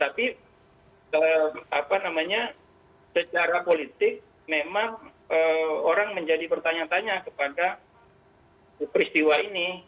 tapi apa namanya secara politik memang orang menjadi pertanyaan tanya kepada peristiwa ini